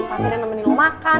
pasti ada temenin lo makan